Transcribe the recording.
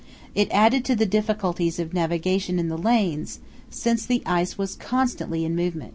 It added to the difficulties of navigation in the lanes, since the ice was constantly in movement.